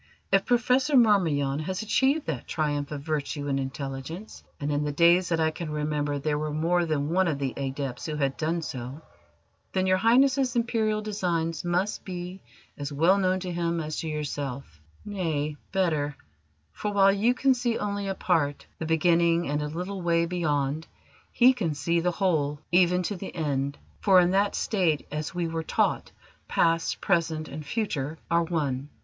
If Professor Marmion has achieved that triumph of virtue and intelligence and in the days that I can remember there were more than one of the adepts who had done so then Your Highness's Imperial designs must be as well known to him as to yourself: nay, better, for, while you can see only a part, the beginning and a little way beyond, he can see the whole, even to the end; for in that state, as we were taught, past, present, and future are one.